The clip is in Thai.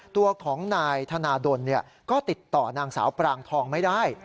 ตัวของนายธนาดลก็ติดต่อนางสาวปรางทองไม่ได้